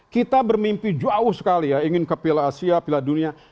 kita bermimpi jauh sekali ya ingin ke piala asia piala dunia